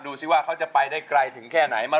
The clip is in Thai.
ดูสิว่าเขาจะไปได้ไกลถึงแค่ไหน